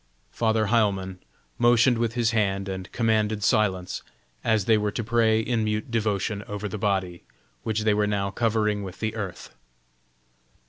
Father Heilmann motioned with his hand and commanded silence, as they were to pray in mute devotion over the body, which they were now covering with the earth.